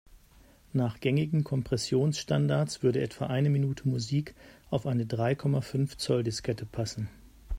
Nach gängigen Kompressionsstandards würde etwa eine Minute Musik auf eine drei Komma fünf Zoll-Diskette passen.